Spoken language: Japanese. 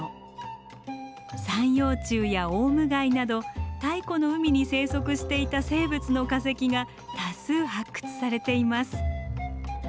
三葉虫やオウム貝など太古の海に生息していた生物の化石が多数発掘されています。